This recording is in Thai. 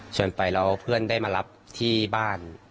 ไปแล้วเพื่อนได้มารับที่บ้าน